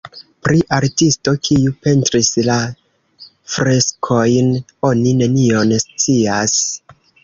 Pri artisto, kiu pentris la freskojn oni nenion scias.